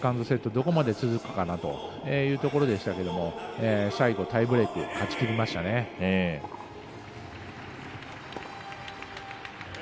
どこまで続くかなというところでしたけども最後、タイブレーク勝ちきりましたね。